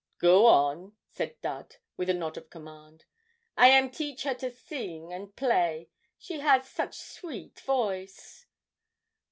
'Go on,' said Dud, with a nod of command. 'I am teach her to sing and play she has such sweet voice!